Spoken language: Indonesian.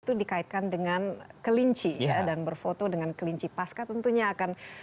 itu dikaitkan dengan kelinci ya dan berfoto dengan kelinci pasca tentunya akan